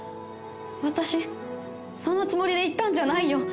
私そんなつもりで言ったんじゃないよ